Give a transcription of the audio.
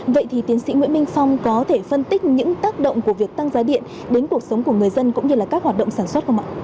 vậy thì tiến sĩ nguyễn minh phong có thể phân tích những tác động của việc tăng giá điện đến cuộc sống của người dân cũng như là các hoạt động sản xuất không ạ